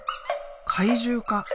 怪獣か？